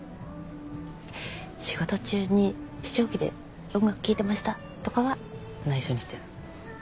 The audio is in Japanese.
仕事中に試聴機で音楽聴いてましたとかは内緒にしてある。